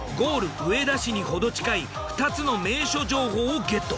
上田市に程近い２つの名所情報をゲット。